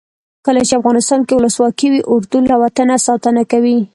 کله چې افغانستان کې ولسواکي وي اردو له وطنه ساتنه کوي.